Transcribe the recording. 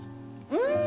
うん。